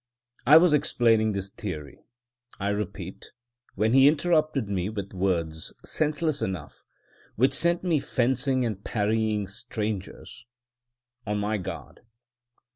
I was explaining this theory, I repeat, when he interrupted me with words, senseless enough, which sent me fencing and parrying strangers, — on my guard.